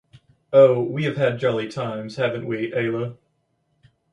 Oh, we have had jolly times, haven’t we, Ayla?